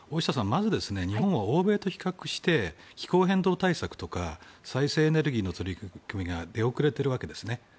まず日本は欧米と比較して気候変動対策とか再生エネルギーの取り組みが出遅れてるわけですね。